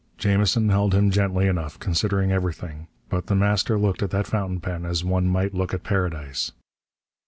Jamison held him gently enough, considering everything, but The Master looked at that fountain pen as one might look at Paradise.